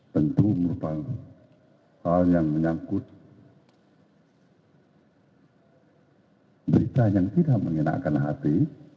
tentu merupakan hal yang menyangkut berita yang tidak mengenakan hati